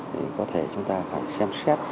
thì có thể chúng ta phải xem xét